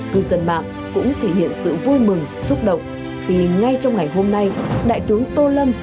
cư dân mạng cũng thể hiện sự vui mừng xúc động khi ngay trong ngày hôm nay đại tướng tô lâm